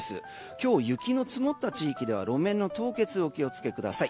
今日雪が積もった地域では路面の凍結にお気を付けください。